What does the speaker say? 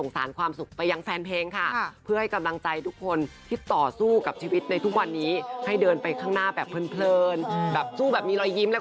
สุขกว่าสำเร็จนะครับกลับมาให้ระเฟิร์นได้ครับ